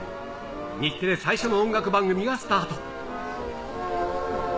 日テレ最初の音楽番組がスタート。